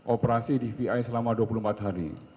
operasi dvi selama dua puluh empat hari